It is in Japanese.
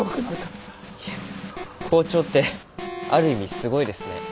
いや校長ってある意味すごいですね。